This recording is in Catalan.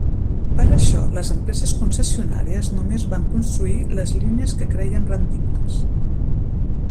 Per això les empreses concessionàries només van construir les línies que creien rendibles.